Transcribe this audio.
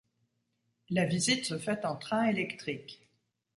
La visite se fait en train électrique.